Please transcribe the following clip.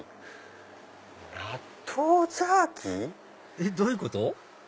えっどういうこと？